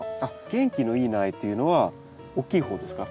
元気のいい苗っていうのは大きい方ですか？